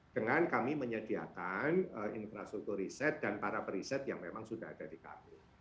dengan kami menyediakan infrastruktur riset dan para periset yang memang sudah ada di kami